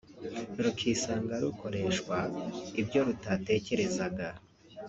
rukisanga rukoreshwa ibyo rutatekerezaga